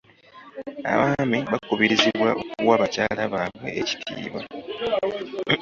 Abaami baakubirizibwa okuwa bakyala baabwe ekitiibwa.